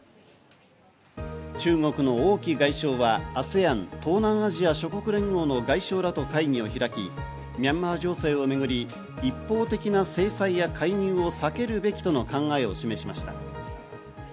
中国のオウ・キ外相はＡＳＥＡＮ＝東南アジア諸国連合の外相らと会議を開きミャンマー情勢をめぐり、一方的な制裁や介入を避けるべきとの考えを示しました。